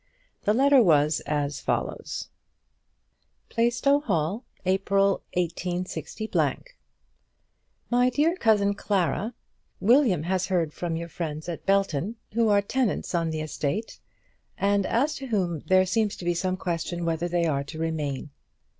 The letter was as follows: Plaistow Hall, April, 186 . MY DEAR COUSIN CLARA, William has heard from your friends at Belton, who are tenants on the estate, and as to whom there seems to be some question whether they are to remain.